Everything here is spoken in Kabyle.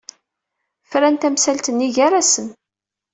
Fran tamsalt-nni gar-asen.